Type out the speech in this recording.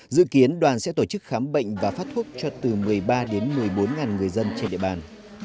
dự kiến đoàn sẽ tổ chức khám bệnh và phát thuốc cho từ một mươi ba đến một mươi bốn người dân trên địa bàn